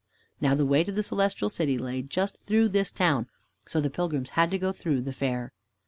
Now the way to the Celestial City lay just through this town, so the pilgrims had to go through the fair.